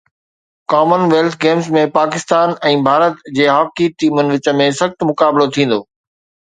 ڪمن wealth Games ۾ Pakistan ۽ Bharat جي hockey ٽيمن وچ ۾ سخت مقابلو ٿيندو